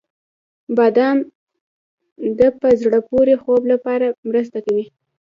• بادام د په زړه پورې خوب لپاره مرسته کوي.